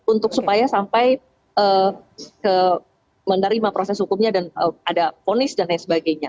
untuk supaya sampai menerima proses hukumnya dan ada ponis dan lain sebagainya